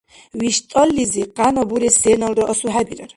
ВиштӀаллизи къяна бурес сеналра асухӀебирар!